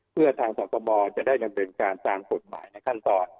เพื่อทางศาลกบจะได้ดำเนินการสร้างผลหมายในขั้นตอน